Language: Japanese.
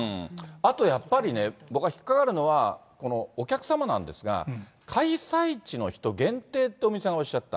あとやっぱりね、僕は引っ掛かるのは、このお客様なんですが、開催地の人限定と、尾身さんはおっしゃった。